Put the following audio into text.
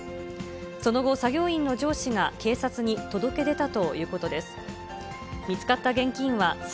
その後、作業員の上司が警察に届け出たということです。